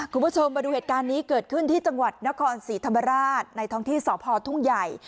คุณผู้ชมมาดูเหตุการณ์นี้เกิดขึ้นที่จังหวัดนครศรีธรรมราชในท้องที่สพทุ่งใหญ่